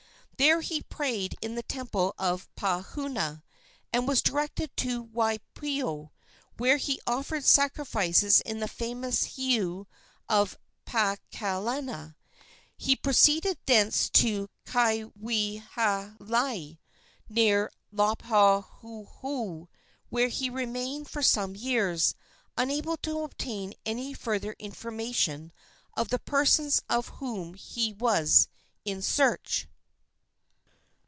There he prayed in the temple of Pahauna, and was directed to Waipio, where he offered sacrifices in the famous heiau of Paakalana. He proceeded thence to Kaiwilahilahi, near Laupahoehoe, where he remained for some years, unable to obtain any further information of the persons of whom he was in search.